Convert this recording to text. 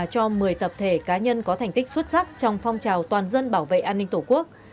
cho một mươi tập thể cá nhân có thành tích xuất sắc trong phong trào toàn dân bảo vệ an ninh tổ quốc